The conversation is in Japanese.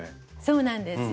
そうなんです。